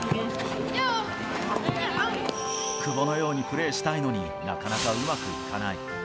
久保のようにプレーしたいのに、なかなかうまくいかない。